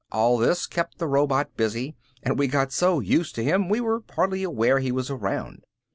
All this kept the robot busy, and we got so used to him we were hardly aware he was around.